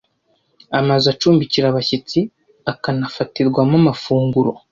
Amazu acumbikira abashyitsi akanafatirwamo amafunguro